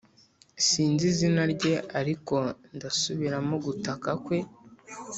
sinzi izina rye, ariko ndasubiramo gutaka kwe,